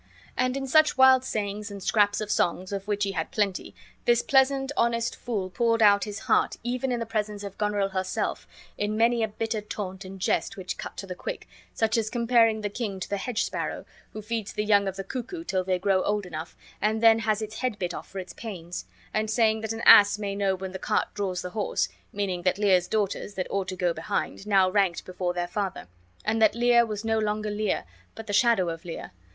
And in such wild sayings, and scraps of songs, of which he had plenty, this pleasant, honest fool poured out his heart even in the presence of Goneril herself, in many a bitter taunt and jest which cut to the quick, such as comparing the king to the hedgesparrow, who feeds the young of the cuckoo till they grow old enough, and then has its head bit off for its pains; and saying that an ass may know when the cart draws the horse (meaning that Lear's daughters, that ought to go behind, now ranked before their father); and that Lear was no longer Lear, but the shadow of Lear.